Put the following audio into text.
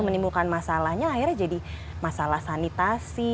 menimbulkan masalahnya akhirnya jadi masalah sanitasi